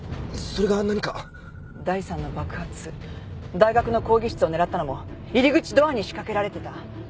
大学の講義室を狙ったのも入り口ドアに仕掛けられてた。